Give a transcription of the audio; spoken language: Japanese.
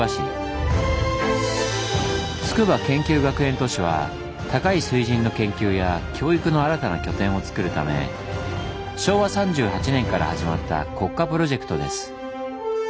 「筑波研究学園都市」は高い水準の研究や教育の新たな拠点をつくるため昭和３８年から始まった国家プロジェクトです。